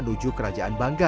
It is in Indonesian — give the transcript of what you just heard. pun telah dibuang